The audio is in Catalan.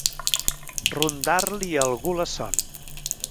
Rondar-li a algú la son.